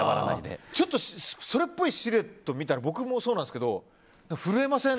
それっぽいシルエット見たら僕もそうなんですけど震えません？